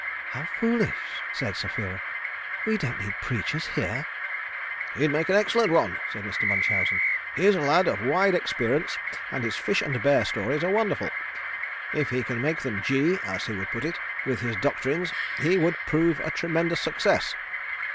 "How foolish," said Sapphira. "We don't need preachers here." "He'd make an excellent one," said Mr. Munchausen. "He is a lad of wide experience and his fish and bear stories are wonderful. If he can make them gee, as he would put it, with his doctrines he would prove a tremendous success.